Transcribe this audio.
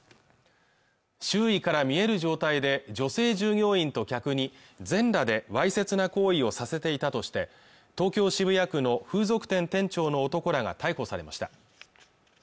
周囲から見える状態で女性従業員と客に全裸でわいせつな行為をさせていたとして東京・渋谷区の風俗店店長の男らが逮捕されました